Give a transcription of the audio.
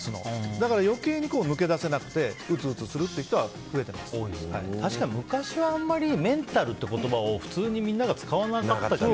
だから余計に抜け出せなくて鬱々する人は確かに昔はあんまりメンタルって言葉を普通にみんなが使わなかったよね。